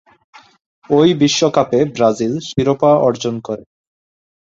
ওই বিশ্বকাপে ব্রাজিল শিরোপা অর্জন করে।